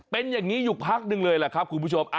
เป็นอย่างนี้อยู่พักหนึ่งเลยแหละครับคุณผู้ชม